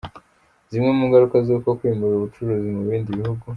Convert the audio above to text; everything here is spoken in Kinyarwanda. Zimwe mu ngaruka z’uku kwimurira ubucuruzi mu bindi bihugu.